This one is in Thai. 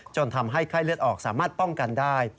ทำให้ไข้เลือดออกสามารถป้องกันได้